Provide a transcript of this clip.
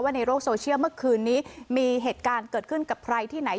ในโลกโซเชียลเมื่อคืนนี้มีเหตุการณ์เกิดขึ้นกับใครที่ไหน